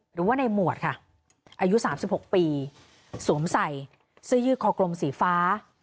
หรือว่าในหมวดค่ะอายุ๓๖ปีสวมใส่เสื้อยืดคอกลมสีฟ้า